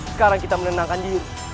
sekarang kita menenangkan diri